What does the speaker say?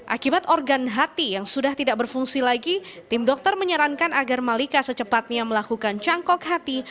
akibat organ hati yang sudah tidak berfungsi lagi tim dokter menyarankan agar malika secepatnya melakukan cangkok hati